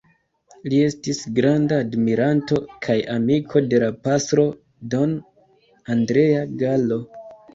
Li estis granda admiranto kaj amiko de la pastro Don Andrea Gallo.